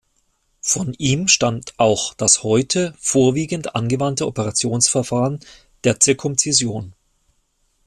Von ihm stammt auch das heute vorwiegend angewandte Operationsverfahren der Zirkumzision.